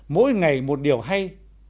mỗi ngày một điều hay